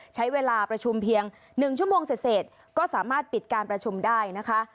ใช้เวลาประชุมเพียง๑ชั่วโมงเสร็จก็สามารถปิดการประชุมได้นะคะ